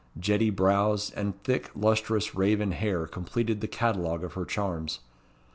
Jetty brows, and thick, lustrous, raven hair, completed the catalogue of her charms.